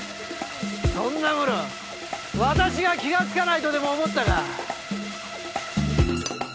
そんなもの私が気が付かないとでも思ったか？